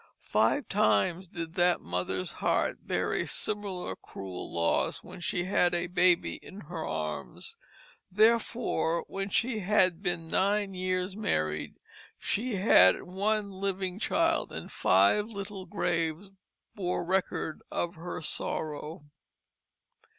Five times did that mother's heart bear a similar cruel loss when she had a baby in her arms; therefore when she had been nine years married she had one living child, and five little graves bore record of her sorrow.